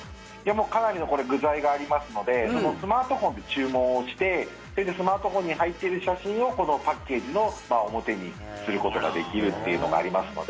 かなりの具材がありますのでスマートフォンで注文をしてスマートフォンに入ってる写真をこのパッケージの表にすることができるというのがありますので。